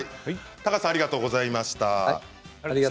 高橋さんありがとうございました。